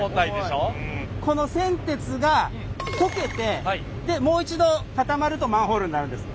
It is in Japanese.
この銑鉄が溶けてもう一度固まるとマンホールになるんです。